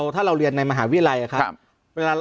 ถ้าเราเรียนในมหาวิทยาลัยครับ